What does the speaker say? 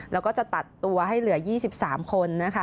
แล้วก็จะตัดตัวให้เหลือ๒๓คนนะคะ